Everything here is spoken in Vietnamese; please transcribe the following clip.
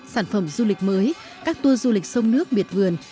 sản phẩm du lịch mới các tour du lịch sông nước biệt vườn